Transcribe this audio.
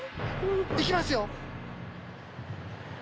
行きますよ。